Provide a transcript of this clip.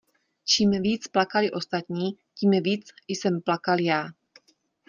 Čím víc plakali ostatní, tím víc jsem plakal já!